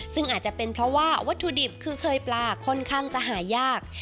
ซึ่งอาจจะเป็นเพราะว่าวัตถุดิบคือเคยปลาค่อนข้างจะหายาก